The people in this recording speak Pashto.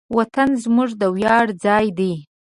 وطن زموږ د ویاړ ځای دی.